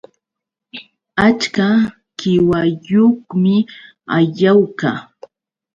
Achka qiwayuqmi Ayawka